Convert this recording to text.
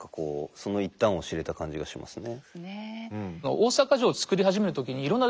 その一端を知れた感じがしますね。